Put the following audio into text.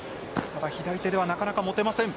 左手ではなかなか持てません。